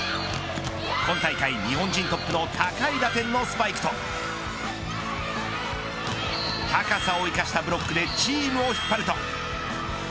今大会、日本人トップの高い打点のスパイクと高さを生かしたブロックでチームを引っ張ると。